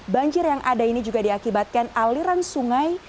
banjir yang ada ini juga diakibatkan aliran sungai